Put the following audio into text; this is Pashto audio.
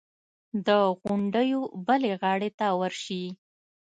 د غونډیو بلې غاړې ته ورشي.